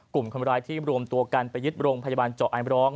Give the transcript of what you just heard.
กลุ่มคนร้ายที่รวมตัวกันไปยึดโรงพยาบาลเจาะไอมร้อง